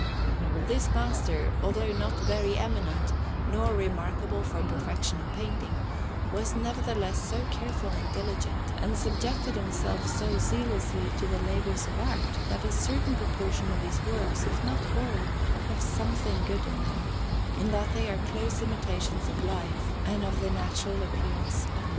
This master, although not very eminent, nor remarkable for perfection of painting, was nevertheless so careful and diligent, and subjected himself so zealously to the labours of art, that a certain proportion of his works, if not all, have something good in them, in that they are close imitations of life and of the natural appearance of men.